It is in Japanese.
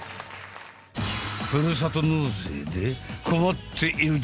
ふるさと納税で困っている自治体や。